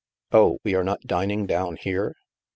Oh, we are not dining down here?